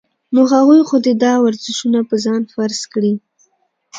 نو هغوي خو دې دا ورزشونه پۀ ځان فرض کړي -